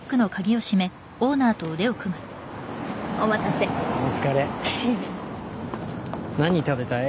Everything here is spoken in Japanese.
お待たせお疲れ何食べたい？